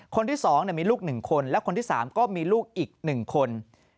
คนที่๒มีลูก๑คนและคนที่๓ก็มีลูกอีก๑คน